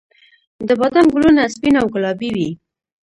د بادام ګلونه سپین او ګلابي وي